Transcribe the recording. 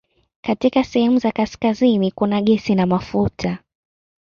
Katika sehemu za kaskazini kuna gesi na mafuta.